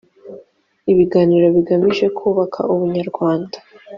ibiganiro bigamije kubaka ubunyarwanda